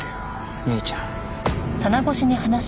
兄ちゃん。